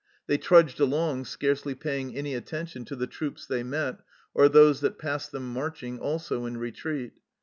They trudged along, scarcely pay ing any attention to the troops they met, or those that passed them marching, also in retreat.